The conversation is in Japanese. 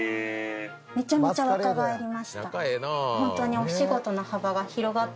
めちゃめちゃ若返りました。